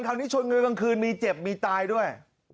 ทางนี้ชนกันกลางคืนมีเจ็บมีตายด้วย